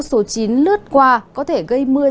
số chín lướt qua có thể gây mưa